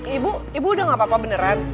ibu ibu udah gak apa apa beneran